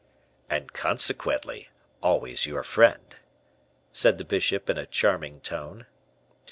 "And, consequently, always your friend," said the bishop in a charming tone.